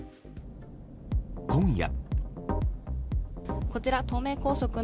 今夜。